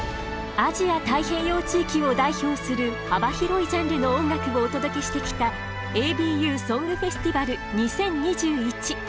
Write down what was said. アジア太平洋地域を代表する幅広いジャンルの音楽をお届けしてきた「ＡＢＵソングフェスティバル２０２１」。